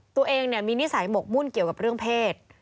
ตัวเองมีนิสัยหมกมุ่นเกี่ยวกับเรื่องเพศ